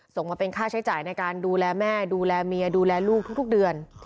ส่งมาเป็นค่าใช้จ่ายในการดูแลแม่ดูแลเมียดูแลลูกทุกเดือน